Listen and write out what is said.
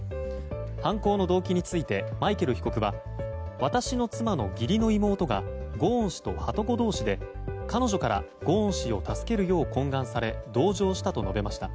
犯行の動機についてマイケル被告は私の妻の義理の妹がゴーン氏とはとこ同士で彼女からゴーン氏を助けるよう懇願され同情したと述べました。